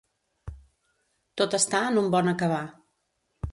Tot està en un bon acabar.